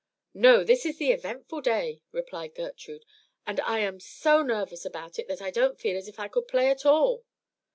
"No, this is the eventful day," replied Gertrude; "and I am so nervous about it that I don't feel as if I could play at all."